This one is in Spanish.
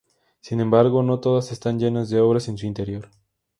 Sin embargo, no todas están llenas de obras en su interior.